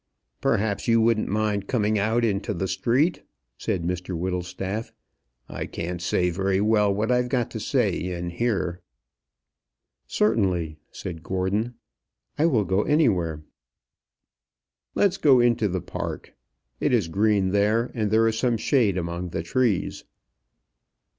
"Perhaps you wouldn't mind coming out into the street," said Mr Whittlestaff. "I can't say very well what I've got to say in here." "Certainly," said Gordon; "I will go anywhere." "Let us go into the Park. It is green there, and there is some shade among the trees."